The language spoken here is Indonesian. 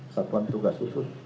satuan tugas usus